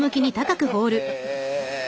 へえ。